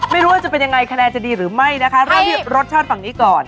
ไม่รู้ว่าจะเป็นยังไงคะแนนจะดีหรือไม่นะคะเริ่มที่รสชาติฝั่งนี้ก่อน